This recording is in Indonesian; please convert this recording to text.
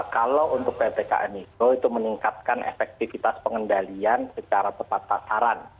kalau untuk ppkm mikro itu meningkatkan efektivitas pengendalian secara tepat sasaran